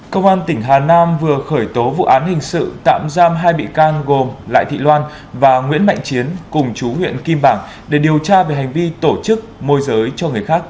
công an tỉnh hà nam vừa khởi tố vụ án hình sự tạm giam hai bị can gồm lại thị loan và nguyễn mạnh chiến cùng chú huyện kim bảng để điều tra về hành vi tổ chức môi giới cho người khác